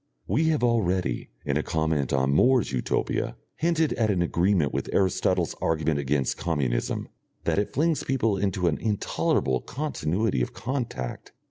We have already, in a comment on More's Utopia, hinted at an agreement with Aristotle's argument against communism, that it flings people into an intolerable continuity of contact.